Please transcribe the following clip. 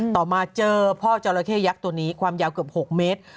ต่อมาเจอพ่อจราเข้ยักษ์ตัวนี้ความยาวเกือบ๖เมตร